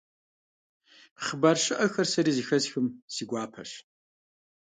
Хъыбар щыӀэхэр сэри зэхэсхым, си гуапэщ.